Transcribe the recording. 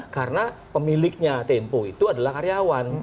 karena pemiliknya tempo itu adalah karyawan